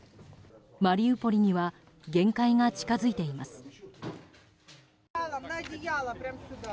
マリウポリには限界が近づいています。